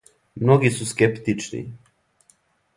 Многи су скептични.